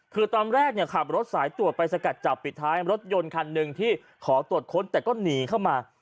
คือตอนแรกเนี่ยขับรถสายตรวจไปสกัดจับปิดท้ายรถยนต์คันหนึ่งที่ขอตรวจค้นแต่ก็หนีเข้ามา